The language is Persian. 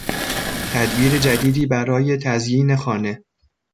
تدبیر جدیدی برای تزیین خانه